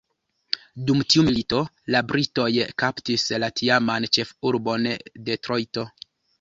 Dum tiu milito, la Britoj kaptis la tiaman ĉefurbon, Detrojto.